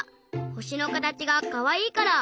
ほしのかたちがかわいいから。